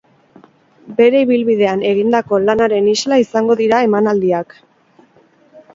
Bere ibilbidean egindako lanaren isla izango dira emanaldiak.